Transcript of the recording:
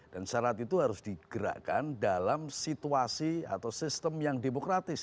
dan syarat itu harus digerakkan dalam situasi atau sistem yang demokratis